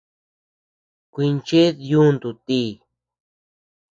Kuincheʼed yuntu ti.